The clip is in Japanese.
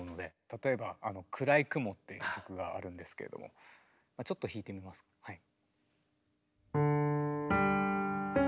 例えば「暗い雲」っていう曲があるんですけれどもちょっと弾いてみますはい。